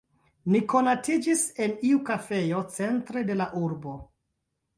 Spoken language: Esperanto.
Ni konatiĝis en iu kafejo centre de la urbo.